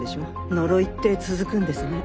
呪いって続くんですね。